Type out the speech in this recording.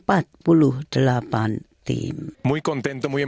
sangat senang dan teruja dengan berita ini